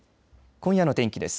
今夜の天気です。